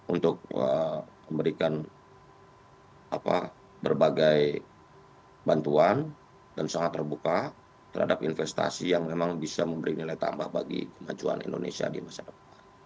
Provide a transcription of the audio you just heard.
untuk memberikan berbagai bantuan dan sangat terbuka terhadap investasi yang memang bisa memberi nilai tambah bagi kemajuan indonesia di masa depan